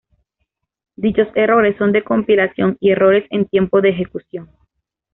Dichos errores son de compilación y errores en tiempo de ejecución.